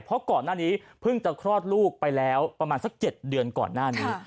เพราะก่อนหน้านี้เพิ่งจะคลอดลูกไปแล้วประมาณสัก๗เดือนก่อนหน้านี้